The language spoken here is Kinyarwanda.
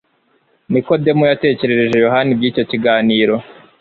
Nikodemo yatekerereje Yohana iby’icyo kiganiro,